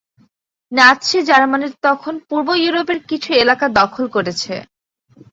Nazi Germany তখন পূর্ব ইউরোপের কিছু এলাকা দখল করেছে।